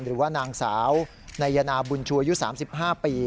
หรือว่านางสาวนายนาบุญชัวยุทธิ์๓๕ปี